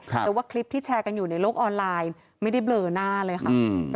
แต่ว่าคลิปที่แชร์กันอยู่ในโลกออนไลน์ไม่ได้เบลอหน้าเลยค่ะ